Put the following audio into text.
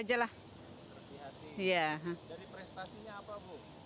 jadi prestasinya apa bu